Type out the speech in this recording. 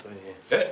えっ？